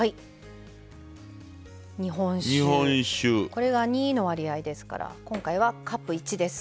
これが２の割合ですから今回はカップ１です。